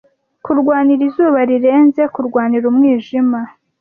Kurwanira izuba rirenze, kurwanira umwijima,